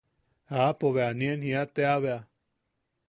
Aapo bea nien jia tea bea.